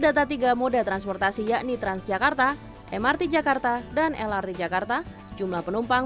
data tiga moda transportasi yakni transjakarta mrt jakarta dan lrt jakarta jumlah penumpang